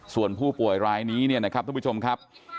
ส่วนผู้ป่วยรายนี้เนี่ยนะครับทุกผู้ชมครับ